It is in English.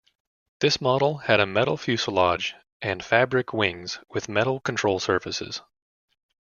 This model had a metal fuselage and fabric wings with metal control surfaces.